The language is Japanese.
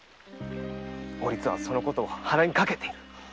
お律はそのことを鼻にかけている。